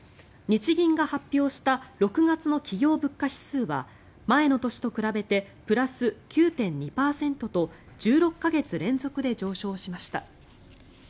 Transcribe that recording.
日銀が発表した６月の企業物価指数は前の年と比べてプラス９．２％と１６か月連続で上昇しました。